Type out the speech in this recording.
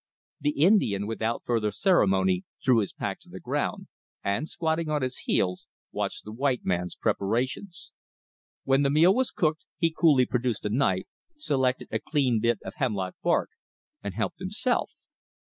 The Indian without further ceremony threw his pack to the ground, and, squatting on his heels, watched the white man's preparations. When the meal was cooked, he coolly produced a knife, selected a clean bit of hemlock bark, and helped himself.